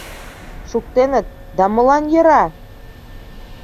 — Шуктеныт, да молан йӧра?